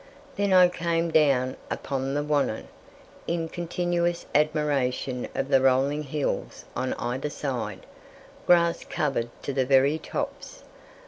Then I came down upon the Wannon, in continuous admiration of the rolling hills on either side, grass covered to the very tops.